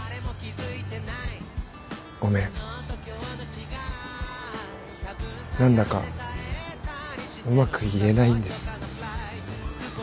ごめん何だかうまく言えないんです。